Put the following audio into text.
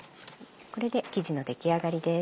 これで生地の出来上がりです。